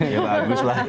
ya bagus lah